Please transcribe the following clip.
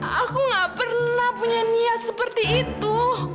aku gak pernah punya niat seperti itu